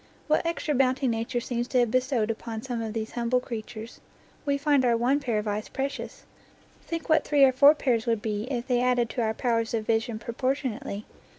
What extra bounty Nature seems to have bestowed upon some of these humble creatures! We find our one pair of eyes precious; think what three or four pairs would be if they added to our powers of vision pro portionately!